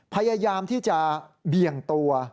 พยายามที่จะเบี่ยงตัว